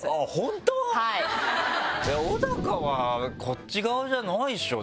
小はこっち側じゃないでしょだって。